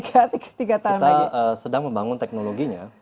kita sedang membangun teknologinya